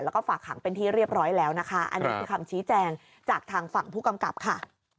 แล้วก็ฝากขังเป็นที่เรียบร้อยแล้วนะคะอันนี้คือคำชี้แจงจากทางฝั่งผู้กำกับค่ะ